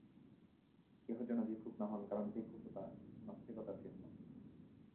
কেহ যেন ভিক্ষুক না হন, কারণ ভিক্ষুকতা নাস্তিকতার চিহ্ন।